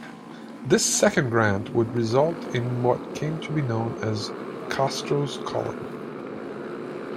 This second grant would result in what came to be known as Castro's Colony.